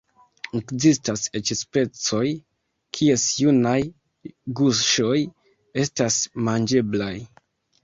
Ekzistas eĉ specoj, kies junaj guŝoj estas manĝeblaj.